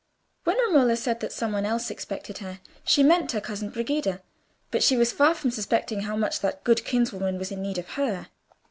When Romola said that some one else expected her, she meant her cousin Brigida, but she was far from suspecting how much that good kinswoman was in need of her.